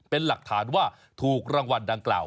เป็นหลักฐานว่าถูกรางวัลดังกล่าว